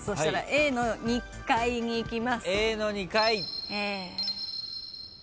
Ａの２階にいきます。